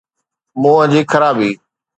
منهن جي خرابي.